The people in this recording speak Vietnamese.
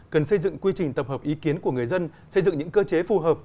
cần xây dựng quy trình tập hợp ý kiến của người dân xây dựng những cơ chế phù hợp